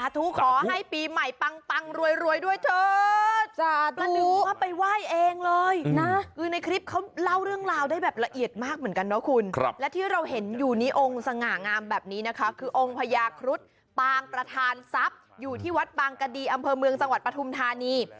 ที่วัดบางกะดีอำเภอเมืองสวรรค์ปฐุมธานี